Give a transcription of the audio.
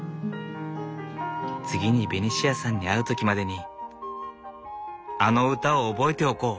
次にベニシアさんに会う時までにあの歌を覚えておこう。